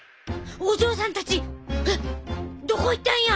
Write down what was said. お嬢さんたちえっどこ行ったんや！？